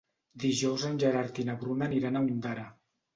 Dijous en Gerard i na Bruna aniran a Ondara.